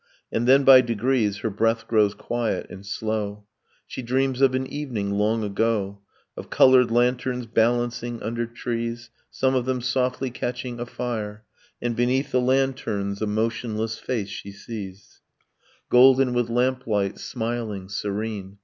. And then by degrees her breath grows quiet and slow, She dreams of an evening, long ago: Of colored lanterns balancing under trees, Some of them softly catching afire; And beneath the lanterns a motionless face she sees, Golden with lamplight, smiling, serene